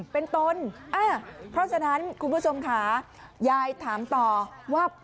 เป็นตนเพราะฉะนั้นคุณผู้ชมค่ะยายถามต่อว่า